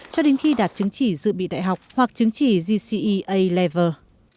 cho đến khi đạt chứng chỉ dự bị đại học hoặc chứng chỉ gcea level